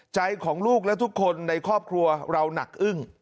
ใจของลูกและทุกคนในครอบครัวเราหนักอึ้ง